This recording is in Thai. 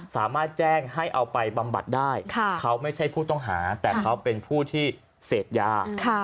สามารถแจ้งให้เอาไปบำบัดได้เขาไม่ใช่ผู้ต้องหาแต่เขาเป็นผู้ที่เสพยา